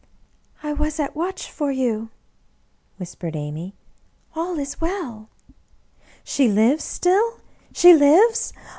^" I was at watch for you," whispered Amy. " All is well." *' She lives still — she lives